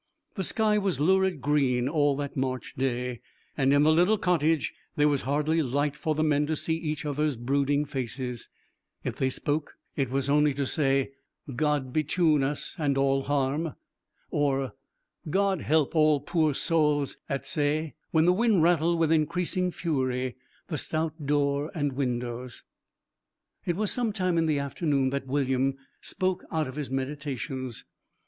The sky was lurid green all that March day, and in the little cottage there was hardly light for the men to see each other's brooding faces. If they spoke it was only to say, 'God betune us and all harm!' or, 'God help all poor sowls at say!' when the wind rattled with increasing fury the stout door and windows. It was some time in the afternoon that William spoke out of his meditations.